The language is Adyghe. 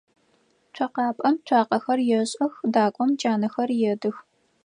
Цокъапӏэм цуакъэхэр ешӏых, дакӏом джанэхэр едых.